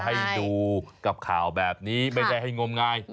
ให้ดูกับข่าวแบบนี้ไม่ได้ให้งมงาย